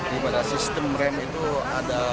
di mana sistem rem itu ada